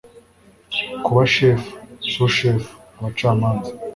kuba shefu, sushefu, abacamanza